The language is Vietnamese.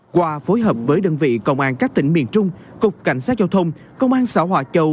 qua phối hợp với đơn vị công an các tỉnh miền trung cục cảnh sát giao thông công an xã hòa châu